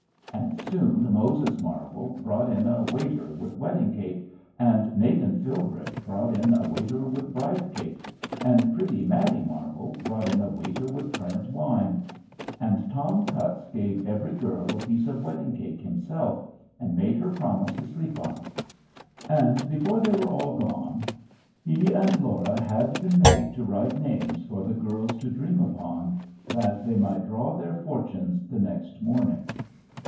And soon Moses Marvel brought in a waiter with wedding cake, and Nathan Philbrick brought in a waiter with bride cake, and pretty Mattie Marvel brought in a waiter with currant wine. And Tom Cutts gave every girl a piece of wedding cake himself, and made her promise to sleep on it. And before they were all gone, he and Laura had been made to write names for the girls to dream upon, that they might draw their fortunes the next morning.